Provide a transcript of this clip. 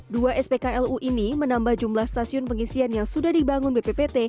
dua spklu ini menambah jumlah stasiun pengisian yang sudah dibangun bppt